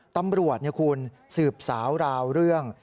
ตำรวจคุณสืบสาวราวเรื่อง